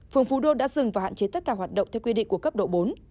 phường phú đô đã dừng và hạn chế tất cả hoạt động theo quy định của cấp độ bốn